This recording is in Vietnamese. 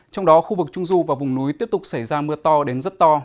trong đó khu vực trung du và vùng núi tiếp tục xảy ra mưa to đến rất to